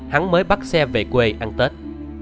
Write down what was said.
hắn mới bắt xe về quê ăn tết